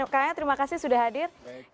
kak yaya terima kasih sudah hadir